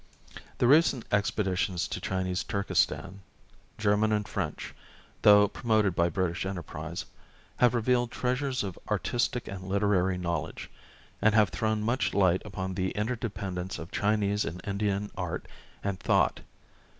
The recent expeditions to Chinese Turkestan â€" German and French, though promoted by British enterprise â€" have revealed treasures of artistic and literary knowledge, and have thrown much light upon the interdependence of Chinese and Indian art and thought.